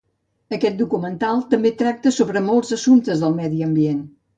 Aquest documental també tracta sobre molts assumptes del medi ambient.